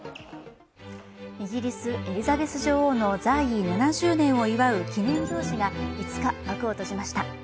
イギリス・エリザベス女王の在位７０年を祝う記念行事が５日、幕を閉じました。